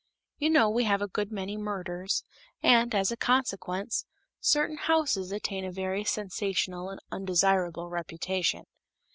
You know we have a good many murders, and, as a consequence, certain houses attain a very sensational and undesirable reputation.